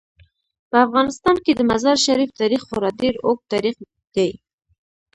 په افغانستان کې د مزارشریف تاریخ خورا ډیر اوږد تاریخ دی.